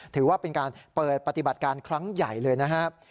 ถือว่าเป็นการเปิดปฏิบัติการครั้งใหญ่เลยนะครับ